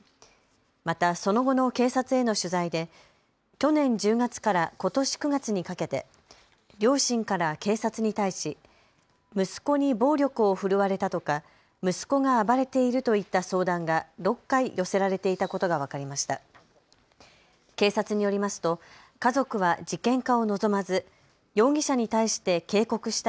また、その後の警察への取材で去年１０月からことし９月にかけて両親から警察に対し息子に暴力を振るわれたとか息子が暴れているといった相談が６回寄せられていたことが分かりました。